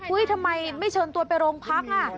อุ้ยทำไมไม่เชิญตัวไปโรงพัก